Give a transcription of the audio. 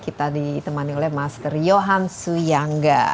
kita ditemani oleh master johan suyangga